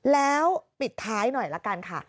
แล้วปิดท้ายหน่อยละกันค่ะ